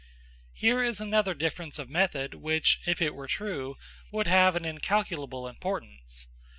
Here is another difference of method which, if it were true, would have an incalculable importance.